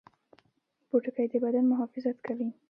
پوټکی د بدن محافظت کوي